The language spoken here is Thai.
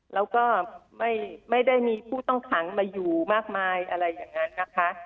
แล้วก็ไม่ได้มีผู้ต้องขังมาอยู่มากมายอะไรอย่างนั้นนะคะ